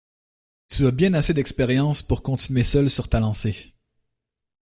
Tu as bien assez d’expérience pour continuer seule sur ta lancée.